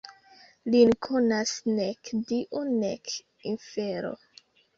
Lin konas nek Dio nek infero.